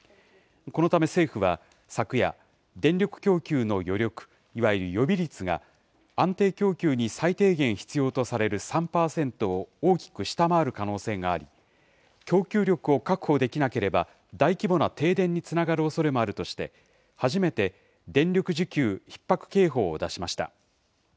このため政府は、昨夜、電力供給の余力、いわゆる予備率が、安定供給に最低限必要とされる３％を大きく下回る可能性があり、供給力を確保できなければ大規模な停電につながるおそれもあるとして、初めて電力需給ひっ迫警報を出しました。